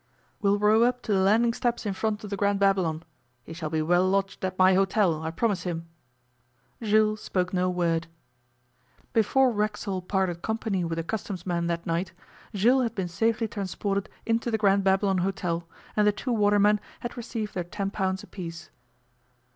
'We'll row up to the landing steps in front of the Grand Babylon. He shall be well lodged at my hotel, I promise him.' Jules spoke no word. Before Racksole parted company with the Customs man that night Jules had been safely transported into the Grand Babylon Hôtel and the two watermen had received their £10 apiece.